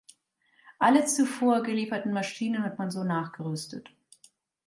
Alle zuvor gelieferten Maschinen hat man so nachgerüstet.